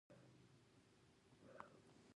د دال پوستکی د هضم لپاره لرې کړئ